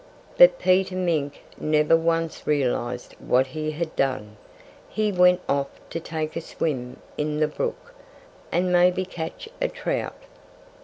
But Peter Mink never once realized what he had done. He went off to take a swim in the brook, and maybe catch a trout.